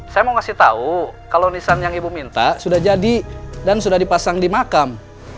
saya mau kasih tahu kalau nisan yang ibu minta sudah jadi dan sudah dipasang di makam